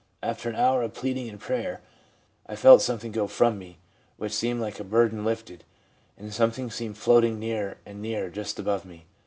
After an hour of pleading and prayer, I felt something go from me, which seemed like a burden lifted, and something seemed floating nearer and nearer just above me.